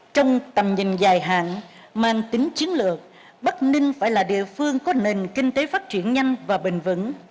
trong tầm nhìn dài hạn mang tính chiến lược bắc ninh phải là địa phương có nền kinh tế phát triển nhanh và bền vững